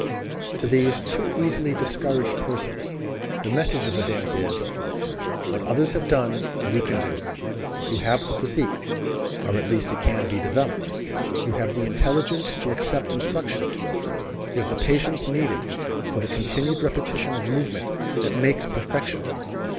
To these too easily discouraged persons the message of the dance is: "What others have done you can do. You have the physique, or at least it can be developed. You have the intelligence to accept instruction. You have the patience needed for the continued repetition of movement that makes perfection.